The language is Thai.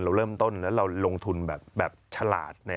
เราเริ่มต้นแล้วเราลงทุนแบบฉลาด